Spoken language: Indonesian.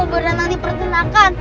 berenang di pertunjukan